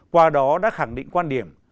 qua đó đã khẳng định quan điểm